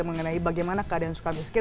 mengenai bagaimana keadaan suka miskin